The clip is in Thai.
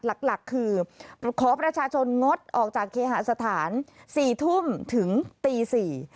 หลักคือขอประชาชนงดออกจากเคหาสถาน๔ทุ่มถึงตี๔